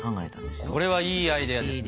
これはいいアイデアですね。